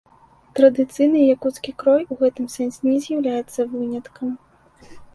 Традыцыйны якуцкі крой у гэтым сэнсе не з'яўляецца выняткам.